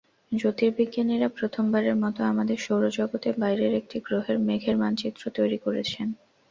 জ্যোতির্বিজ্ঞানীরা প্রথমবারের মতো আমাদের সৌরজগতের বাইরের একটি গ্রহের মেঘের মানচিত্র তৈরি করেছেন।